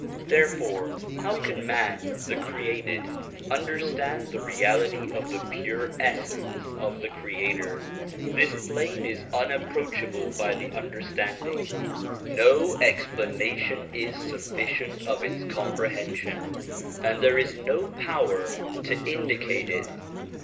Therefore how can man, the created, understand the reality of the pure Essence of the Creator ? This plane is unapproach able by the understanding, no explanation is sufficient of its comprehension, and there is no power to indicate it.